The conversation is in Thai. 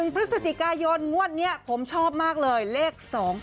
พฤศจิกายนงวดนี้ผมชอบมากเลยเลข๒๕๖